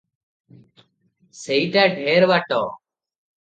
ସେଇଟା ଢେର ବାଟ ।